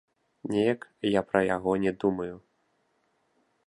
Неяк я пра яго не думаю.